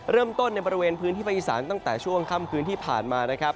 เริ่มต้นในบริเวณพื้นที่ภาคอีสานตั้งแต่ช่วงค่ำคืนที่ผ่านมานะครับ